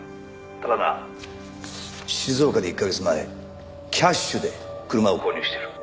ただな静岡で１カ月前キャッシュで車を購入してる。